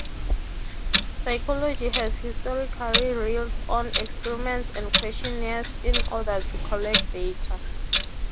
Psychology has historically relied on experiments and questionnaires in order to collect data.